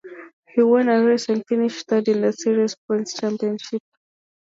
He won a race and finished third in the series points championship.